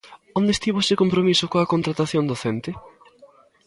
¿Onde estivo ese compromiso coa contratación docente?